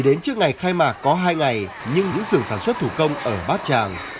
đến trước ngày khai mạc có hai ngày nhưng những sưởng sản xuất thủ công ở bát tràng